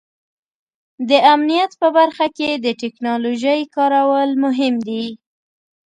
د امنیت په برخه کې د ټیکنالوژۍ کارول مهم دي.